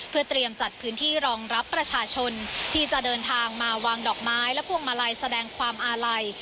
เพื่อเตรียมจัดพื้นที่รองรับประชาชนที่จะเดินทางมาวางดอกไม้และพวงมาลัยแสดงความอาลัย